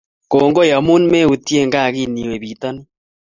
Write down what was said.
Kongoi amun meutient gaa kiniwe pitanin